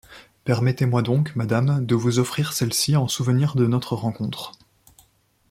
Permettez-moi donc, madame, de vous offrir celle-ci en souvenir de notre rencontre.